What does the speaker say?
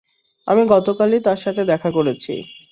আমি গতকালই তার সাথে দেখা করেছি!